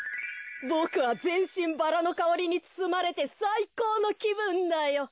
ボクはぜんしんバラのかおりにつつまれてさいこうのきぶんだよ。